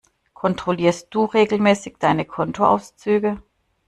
Kontrollierst du regelmäßig deine Kontoauszüge?